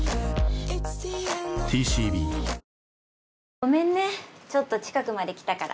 ごめんねちょっと近くまで来たから。